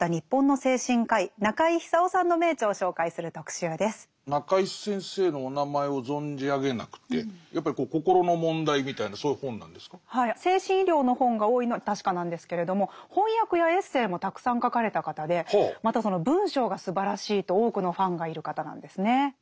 精神医療の本が多いのは確かなんですけれども翻訳やエッセーもたくさん書かれた方でまたその文章がすばらしいと多くのファンがいる方なんですね。